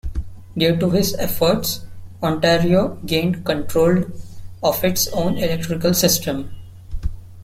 Due to his efforts, Ontario gained controlled of its own electrical system.